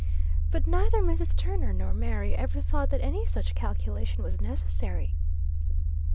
But neither Mrs. Turner nor Mary ever thought that any such calculation was necessary.